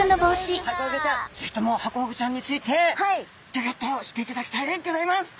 ぜひともハコフグちゃんについてギョギョッと知っていただきたいでギョざいます。